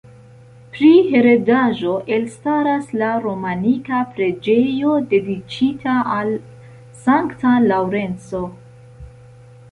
Pri heredaĵo, elstaras la romanika preĝejo, dediĉita al Sankta Laŭrenco.